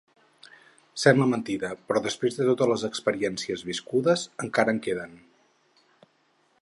Sembla mentida, però després de totes les experiències viscudes, encara en queden.